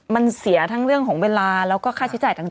มันเสียทั้งเรื่องของเวลาแล้วก็ค่าใช้จ่ายต่าง